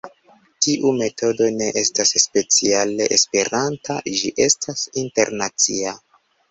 Tiu metodo ne estas speciale Esperanta, ĝi estas internacia.